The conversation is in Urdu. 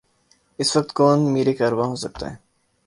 اس وقت کون میر کارواں ہو سکتا ہے؟